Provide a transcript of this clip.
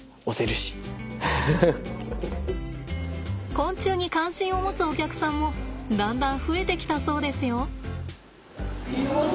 昆虫に関心を持つお客さんもだんだん増えてきたそうですよ。